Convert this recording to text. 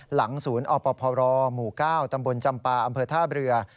หลังศูนย์อพรหมู่๙ตำบลจำปาอำเภอท่าเรือ